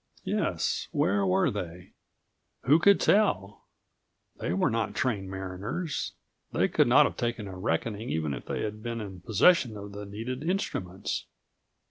Yes, where were they? Who could tell? They were not trained mariners. They could not have taken a reckoning even had they been in possession of the needed instruments.